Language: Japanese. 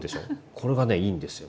これがねいいんですよ。